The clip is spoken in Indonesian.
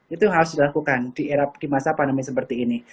itu yang harus dilakukan di masa pandemi seperti ini